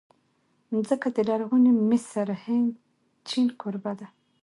مځکه د لرغوني مصر، هند، چین کوربه ده.